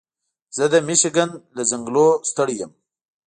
زه د مېشیګن له ځنګلونو ستړی یم.